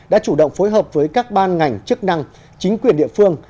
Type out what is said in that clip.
đã chủ động phối hợp với các ban ngành chức năng chính quyền địa phương